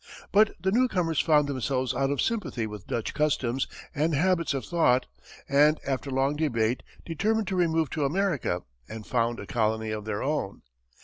But the newcomers found themselves out of sympathy with Dutch customs and habits of thought, and after long debate, determined to remove to America and found a colony of their own.